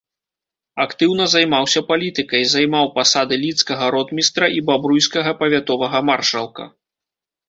Актыўна займаўся палітыкай, займаў пасады лідскага ротмістра і бабруйскага павятовага маршалка.